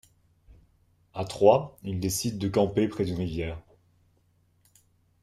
À trois, ils décident de camper près d'une rivière.